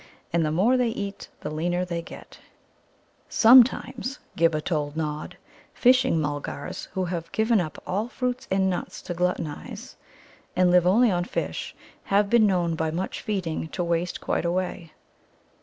And the more they eat the leaner they get. Sometimes, Ghibba told Nod, Fishing mulgars, who have given up all fruits and nuts to gluttonize, and live only on fish, have been known by much feeding to waste quite away.